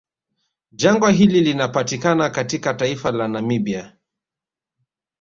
Jangwa hili linapatikana katika taifa la Namibia